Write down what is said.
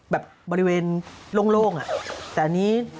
แบบบริเวณโล่งอ่ะแต่อันนี้